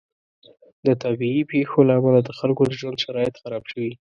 د طبعي پیښو له امله د خلکو د ژوند شرایط خراب شوي.